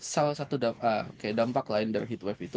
salah satu kayak dampak lain dari heat wave itu